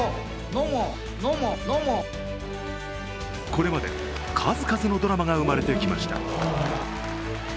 これまで数々のドラマが生まれてきました。